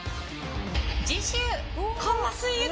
次週。